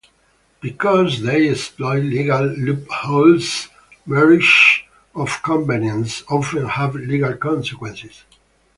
Because they exploit legal loopholes, marriages of convenience often have legal consequences.